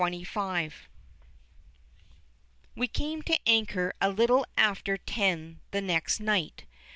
CHAPTER XXV We came to anchor a little after ten the next night.